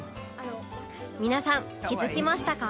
皆さん気づきましたか？